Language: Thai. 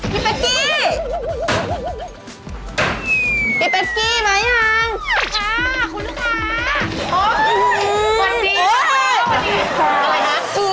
พี่เป๊กกี้พี่เป๊กกี้มาหรือยัง